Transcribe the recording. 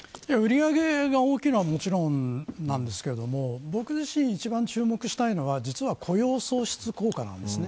売り上げが大きいのはもちろんですが僕自身注目したいのは実は雇用創出効果です。